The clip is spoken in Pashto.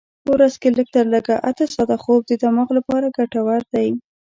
په ورځ کې لږ تر لږه اته ساعته خوب د دماغ لپاره ګټور دی.